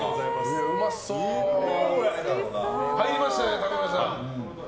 入りましたね、高村さん。